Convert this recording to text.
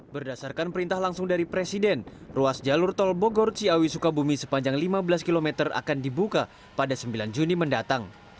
berdasarkan perintah langsung dari presiden ruas jalur tol bogor ciawi sukabumi sepanjang lima belas km akan dibuka pada sembilan juni mendatang